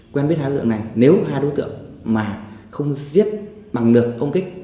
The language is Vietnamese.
quyên biết hai đối tượng này nếu hai đối tượng mà không giết bằng được ông kích